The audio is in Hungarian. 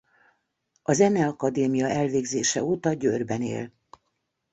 A Zeneakadémia elvégzése óta Győrben él.